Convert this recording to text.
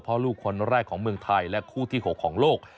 พ่อลูกคนแรกของเมืองไทยและคู่ที่๖ของโลก